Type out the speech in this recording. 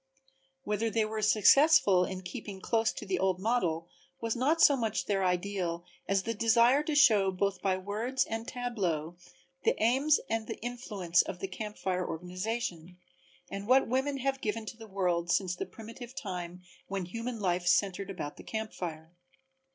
Whether they were successful in keeping close to the old model was not so much their ideal as the desire to show both by words and tableaux the aims and the influence of the Camp Fire organization, and what women have given to the world since the primitive time when human life centered about the camp fire.